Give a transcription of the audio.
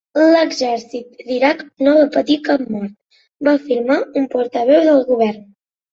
L'exèrcit d'Iraq no va patir cap mort, va afirmar un portaveu del govern.